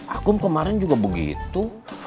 akum kemarin juga begitu